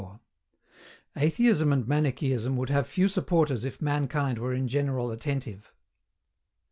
ATHEISM AND MANICHEISM WOULD HAVE FEW SUPPORTERS IF MANKIND WERE IN GENERAL ATTENTIVE.